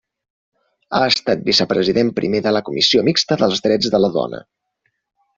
Ha estat vicepresident primer de la Comissió Mixta dels Drets de la Dona.